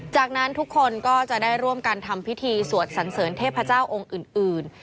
จากนั้นทุกคนก็จะได้ร่วมกันทำพิธีสวดสันเสริญเทพเจ้าองค์อื่น